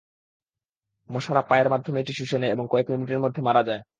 মশারা পায়ের মাধ্যমে এটি শুষে নেয় এবং কয়েক মিনিটের মধ্যে মারা যায়।